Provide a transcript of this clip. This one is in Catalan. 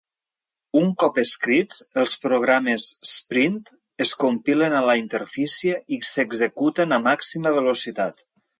Un cop escrits, els programes Sprint es compilen a la interfície i s'executen a màxima velocitat.